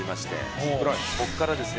ここからですね